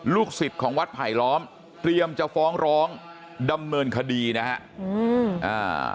ลูกศิษย์ของวัดไผลล้อมเตรียมจะฟ้องร้องดำเมินคดีนะฮะ